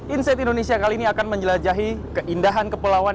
insight indonesia kali ini akan menjelajahi keindahan kepulauan